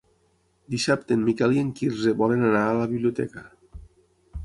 Dissabte en Miquel i en Quirze volen anar a la biblioteca.